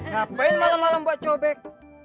ngapain malam malam buat cobek